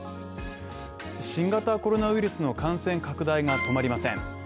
新型コロナウイルスの感染拡大が止まりません